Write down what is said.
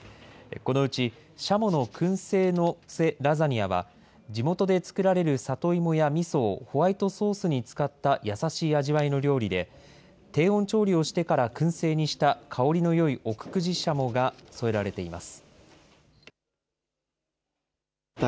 このうち、軍鶏の燻製のせラザニアは地元で作られる里芋やみそをホワイトソースに使った優しい味わいの料理で、低温調理をしてから、くん製にした香りのよい奥久慈しゃもが添えられています。